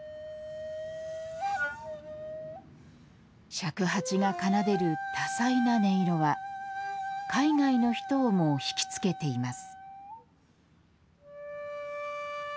尺八が奏でる多彩な音色は海外の人をも引き付けています